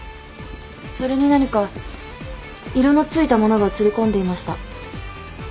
それに何か色の付いた物が写り込んでいました。